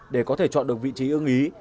để có thể chọn được vị trí ưng ý